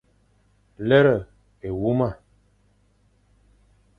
Lere éwuma.